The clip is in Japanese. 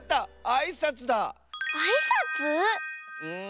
あいさつ？ん。